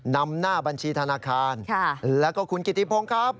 นำหน้าบัญชีธนาคารแล้วก็คุณกิติพงศ์ครับ